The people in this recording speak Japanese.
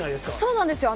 そうなんですよ。